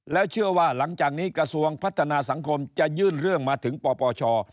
แล้วเชื่อว่าหลังจากนี้กระทรวงพัฒนาสังคมจะยื่นเรื่องมาถึงปปช